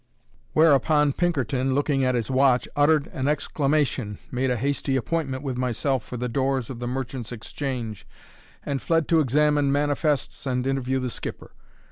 Whereupon Pinkerton, looking at his watch, uttered an exclamation, made a hasty appointment with myself for the doors of the Merchants' Exchange, and fled to examine manifests and interview the skipper.